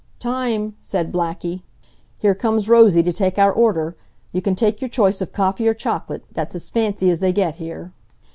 "Time!" said Blackie. "Here comes Rosie to take our order. You can take your choice of coffee or chocolate. That's as fancy as they get here."